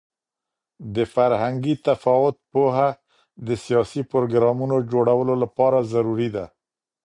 د فرهنګي تفاوت پوهه د سیاسي پروګرامونو جوړولو لپاره ضروري ده.